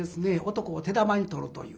男を手玉に取るという。